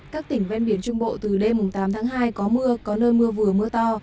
các tỉnh ven biển trung bộ từ đêm tám tháng hai có mưa có nơi mưa vừa mưa to